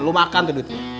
lu makan tuh duitnya